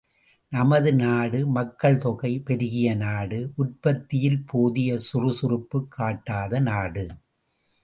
நமது நாடு மக்கள்தொகை பெருகிய நாடு உற்பத்தியில் போதிய சுறுசுறுப்புக்காட்டாத நாடு!